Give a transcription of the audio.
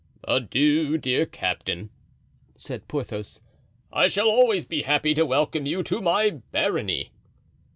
"Adieu, dear captain," said Porthos, "I shall always be happy to welcome you to my barony."